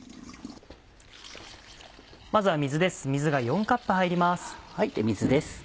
まずは水です。